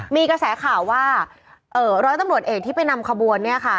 มีกระแสข่าวว่าร้อยตำรวจเอกที่ไปนำขบวนเนี่ยค่ะ